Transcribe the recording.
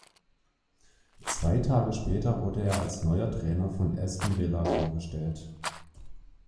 Zwei Tage später wurde er als neuer Trainer von Aston Villa vorgestellt.